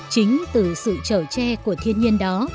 chính từ sự trở tre của thiên nhiên đó